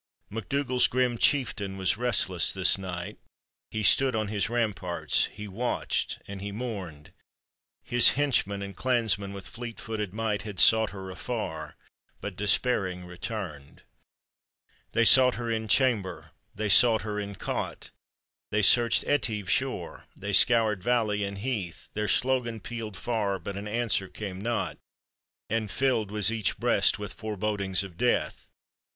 MacDougall's grim chieftain was restless this night, He stood on his ramparts, he watched, and he mourned ; His henchman and clansmen, with fleet footed might, Had sought her afar, but despairing re turned : They souuht her in chamber, they sought her in cot, They searched Etive's shore, they scoured valley and heath ; Their slogan pealed far, but an answer came not, And filled was each breast with forebodings of death.